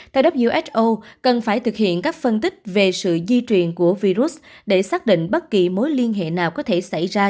theo who cần phải thực hiện các phân tích về sự di truyền của virus để xác định bất kỳ mối liên hệ nào có thể xảy ra